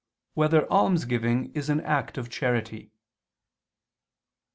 1] Whether Almsgiving Is an Act of Charity?